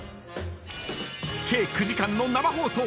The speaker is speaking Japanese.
［計９時間の生放送。